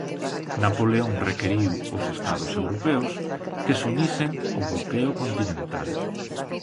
Napoleón requiriu aos Estados europeos que se unisen ao Bloqueo Continental.